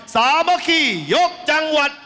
สามารถขี่ยกจังหวัด